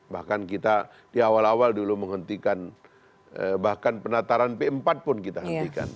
bahkan kita di awal awal dulu menghentikan bahkan penataran p empat pun kita hentikan